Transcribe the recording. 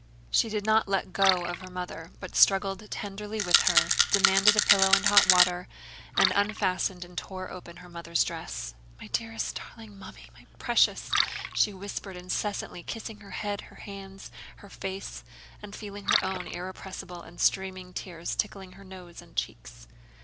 She did not let go of her mother but struggled tenderly with her, demanded a pillow and hot water, and unfastened and tore open her mother's dress. "My dearest darling... Mummy, my precious!..." she whispered incessantly, kissing her head, her hands, her face, and feeling her own irrepressible and streaming tears tickling her nose and cheeks.